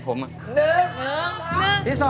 เพลงที่สี่